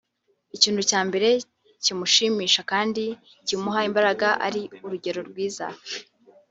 ikintu cya mbere kimushimisha kandi kimuha imbaraga ari urugero rwiza